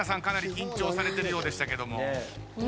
かなり緊張されてるようでしたけども。